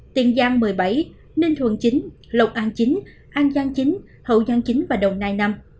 tiền giang một mươi bảy ninh thuận chín lộc an chín an giang chín hậu giang chín và đồng nai năm